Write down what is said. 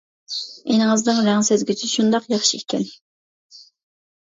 ئىنىڭىزنىڭ رەڭ سەزگۈسى شۇنداق ياخشى ئىكەن.